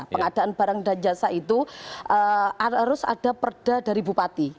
pengadaan barang dan jasa itu harus ada perda dari bupati